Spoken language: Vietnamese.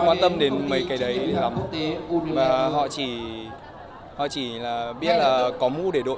em không quan tâm đến mấy cái đấy lắm mà họ chỉ biết là có mũ để đội ra đường mà để đối phó là được